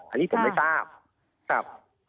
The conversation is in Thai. อันนี้ผมได้ทราบ